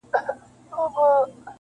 • ورځي به توري شپې به ا وږدې وي -